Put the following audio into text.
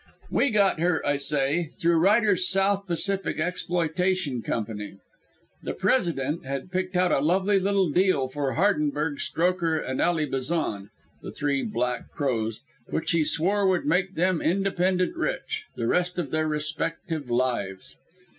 We got her, I say, through Ryder's South Pacific Exploitation Company. The "President" had picked out a lovely little deal for Hardenberg, Strokher and Ally Bazan (the Three Black Crows), which he swore would make them "independent rich" the rest of their respective lives.